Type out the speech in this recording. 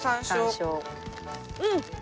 うん！